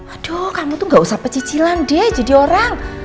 aduh kamu tuh gak usah pecicilan deh jadi orang